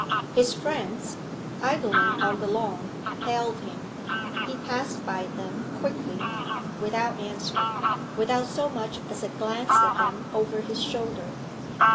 His friends, idling on the lawn, hailed him. He passed by them quickly without answering, without so much as a glance at them over his shoulder.